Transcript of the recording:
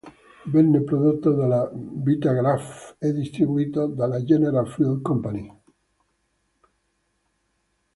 Venne prodotto dalla Vitagraph e distribuito dalla General Film Company.